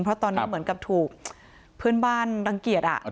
เพราะตอนนี้เหมือนกับถูกเพื่อนบ้านรังเกียจ